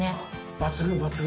抜群、抜群！